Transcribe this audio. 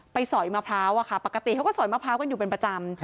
สอยมะพร้าวอะค่ะปกติเขาก็สอยมะพร้าวกันอยู่เป็นประจำ